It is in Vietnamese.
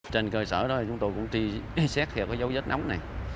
trên cơ sở đó chúng tôi cũng tri xét theo cái dấu vết nóng này